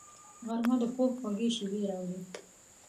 غرمه د خوب خوږې شېبې راوړي